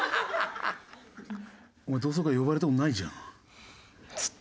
お前同窓会呼ばれた事ないじゃん。